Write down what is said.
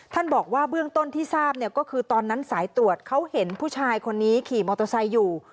บอกว่าเบื้องต้นที่ทราบเนี่ยก็คือตอนนั้นสายตรวจเขาเห็นผู้ชายคนนี้ขี่มอเตอร์ไซค์อยู่